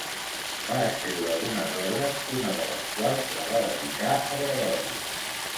Va escriure algunes obres una de les quals la va dedicar a Gregori.